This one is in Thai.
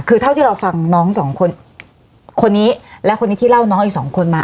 คือเท่าที่เราฟังน้องสองคนคนนี้และคนนี้ที่เล่าน้องอีกสองคนมา